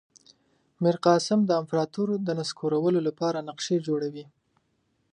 میرقاسم د امپراطور د نسکورولو لپاره نقشې جوړوي.